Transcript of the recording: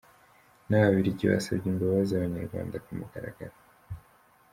N’Ababiligi basabye imbabazi Abanyarwanda ku mugaragaro